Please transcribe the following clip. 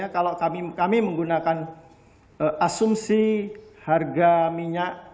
kalau kami menggunakan asumsi harga minyak